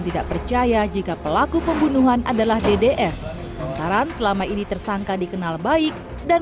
tidak percaya jika pelaku pembunuhan adalah dds lantaran selama ini tersangka dikenal baik dan